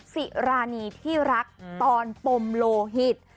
สิรานีที่รักตอนปมโลหิต